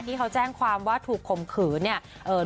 ที่เขาแจ้งความว่าถูกข่มขืนเนี่ย